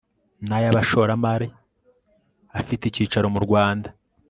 n ay abashoramari afite icyicaro mu Rwanda